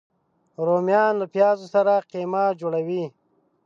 رومیان له پیازو سره قیمه جوړه وي